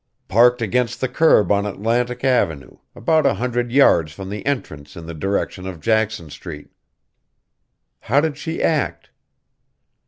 "Parked against the curb on Atlantic Avenue about a hundred yards from the entrance in the direction of Jackson street." "How did she act?"